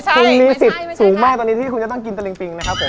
คุณมีสิทธิ์สูงมากตอนนี้ที่คุณจะต้องกินตะลิงปิงนะครับผม